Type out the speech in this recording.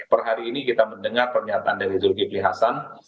perhari ini kita mendengar pernyataan dari turki plih hasan